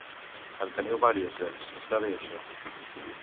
En teniu varies veig està bé això.